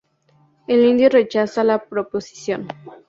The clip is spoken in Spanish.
El indio rechaza la proposición.